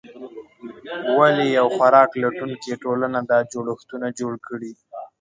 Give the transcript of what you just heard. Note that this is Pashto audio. ولې یوه خوراک لټونکې ټولنه دا جوړښتونه جوړ کړي؟